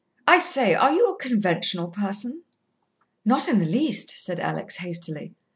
I say, are you a conventional person?" "Not in the least," said Alex hastily.